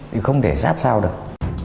thì không thể sát sao được